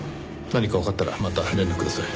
何かわかったらまた連絡ください。